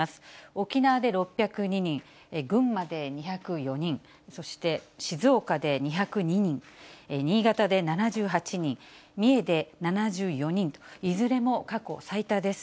沖縄で６０２人、群馬で２０４人、そして静岡で２０２人、新潟で７８人、三重で７４人と、いずれも過去最多です。